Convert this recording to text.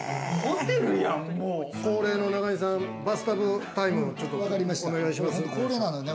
恒例の中西さん、バスタブタイム、ちょっとお願いします。